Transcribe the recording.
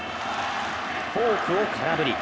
フォークを空振り。